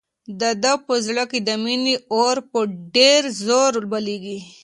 د ده په زړه کې د مینې اور په ډېر زور بلېږي.